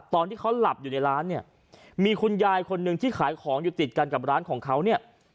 ตอนที่เขาหลับอยู่ในร้านเนี่ยมีคุณยายคนหนึ่งที่ขายของอยู่ติดกันกับร้านของเขาเนี่ย